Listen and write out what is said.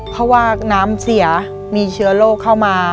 เพราะว่าน้ำเสียมีเชื้อโรคเข้ามา